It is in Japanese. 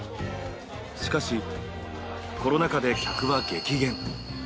しかし、コロナ禍で客は激減。